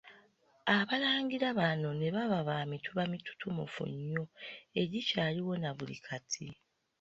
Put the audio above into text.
Abalangira bano ne baba ba Mituba mitutumufu nnyo egikyaliwo na buli kati.